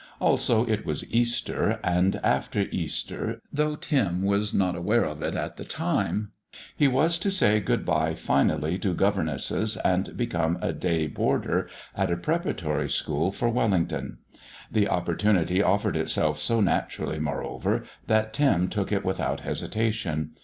Also it was Easter, and after Easter, though Tim was not aware of it at the time, he was to say good bye finally to governesses and become a day boarder at a preparatory school for Wellington. The opportunity offered itself so naturally, moreover, that Tim took it without hesitation.